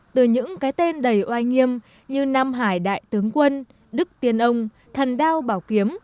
từ những cái tên đầy oai nghiêm như nam hải đại tướng quân đức tiên ông thần đao bảo kiếm